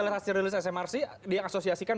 lihat hasil hasil smrc dia asosiasikan